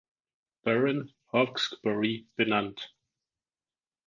Baron Hawkesbury benannt.